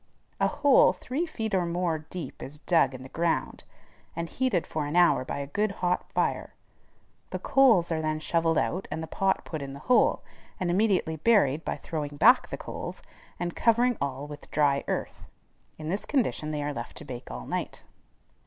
A hole three feet or more deep is dug in the ground, and heated for an hour by a good hot fire. The coals are then shovelled out, and the pot put in the hole, and immediately buried by throwing back the coals, and covering all with dry earth. In this condition they are left to bake all night.